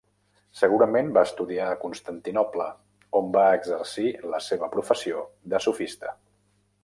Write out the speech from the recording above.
Segurament va estudiar a Constantinoble on va exercir la seva professió de sofista.